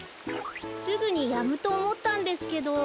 すぐにやむとおもったんですけど。